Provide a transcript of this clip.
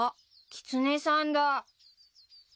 キツネさん！